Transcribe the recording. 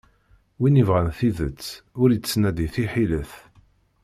Win ibɣan tidet, ur ittnadi tiḥilet.